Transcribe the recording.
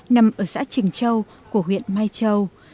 nằm ở xã trường châu của huyện mai châu